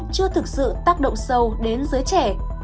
chưa thực sự tác động sâu đến giới trẻ